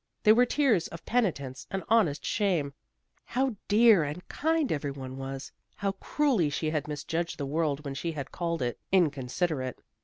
They were tears of penitence and honest shame. How dear and kind every one was! How cruelly she had misjudged the world when she had called it inconsiderate.